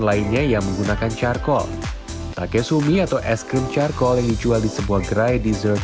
lainnya yang menggunakan carkol takesumi atau es krim carkol yang dijual di sebuah gerai dessert